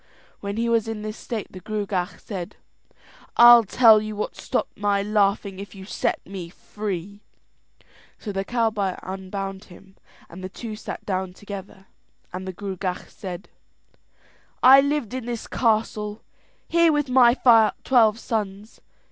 When he was in this state the Gruagach said: "I'll tell you what stopped my laughing if you set me free." So the cowboy unbound him, the two sat down together, and the Gruagach said: "I lived in this castle here with my twelve sons.